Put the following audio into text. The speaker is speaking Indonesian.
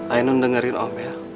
ainun dengerin om ya